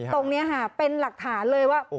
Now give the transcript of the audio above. ตรงนี้ค่ะเป็นหลักฐานเลยว่า